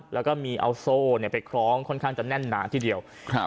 แล้วก็มีเอาโซ่เนี่ยไปคล้องค่อนข้างจะแน่นหนาทีเดียวครับ